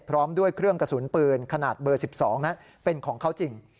พร้อมด้วยเครื่องกระสุนปืนขนาดเบอร์๑๒นั้นเป็นของเขาจริง